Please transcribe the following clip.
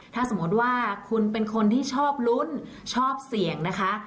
ถ้าสมมติว่าคุณเป็นคนที่ชอบลุ้นชอบเสี่ยงนะคะ